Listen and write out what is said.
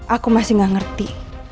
aku masih gak ngerti